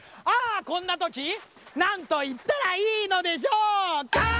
ああこんなときなんといったらいいのでしょうか？